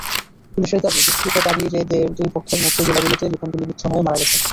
পুলিশের দাবি, দুষ্কৃতকারীদের দুই পক্ষের মধ্যে গোলাগুলিতে রিপন গুলিবিদ্ধ হয়ে মারা গেছেন।